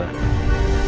tidak ada apa apa